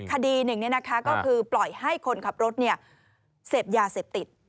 คดีหนึ่งก็คือปล่อยให้คนขับรถเสพยาเสพติด